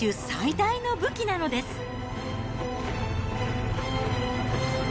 最大の武器なのです。